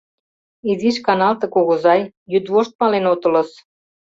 Изиш каналте, кугызай: йӱдвошт мален отылыс.